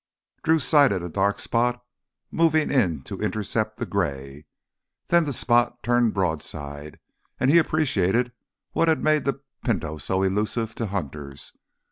Drew sighted a dark spot moving in to intercept the gray. Then the spot turned broadside and he appreciated what had made the Pinto so elusive to hunters.